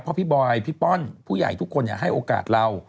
เพราะพี่บอยพี่ป้อนผู้ใหญ่ทุกคนให้โอกาสเรา